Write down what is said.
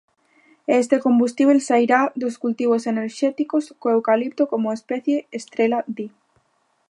E este combustíbel sairá dos cultivos enerxéticos, co eucalipto como especie estrela, di.